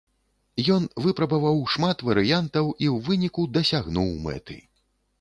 Ён выпрабаваў шмат варыянтаў і ў выніку дасягнуў мэты.